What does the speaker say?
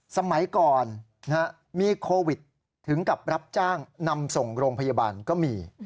สมัยก่อนมีโควิดถึงกับรับจ้างนำส่งโรงพยาบาลก็มี